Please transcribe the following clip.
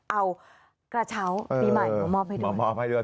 เอากระเช้าปีใหม่มามอบให้ด้วย